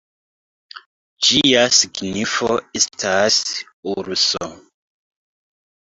Ĝia signifo estas "urso".